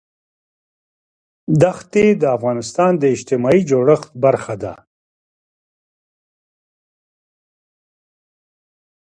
دښتې د افغانستان د اجتماعي جوړښت برخه ده.